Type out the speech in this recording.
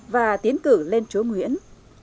và tiến cử lên chú nguyễn